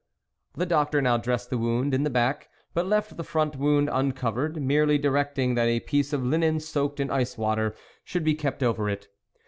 The doctor now dressed the wound in the back, but left the front wound un covered, merely directing that a piece of linen soaked in iced water should be kept over it.